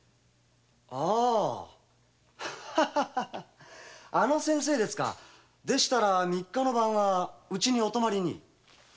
あハハハあの先生でしたら三日の晩はここへお泊まりに。